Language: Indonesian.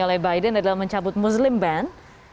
oleh biden adalah mencabut muslim band